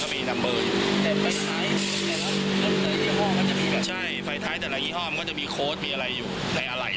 ข้าวอาจจะออกมาให้หมดตอนอุปาติแบบนี้แหละ